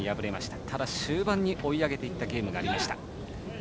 ただ、終盤に追い上げていったゲームがありました。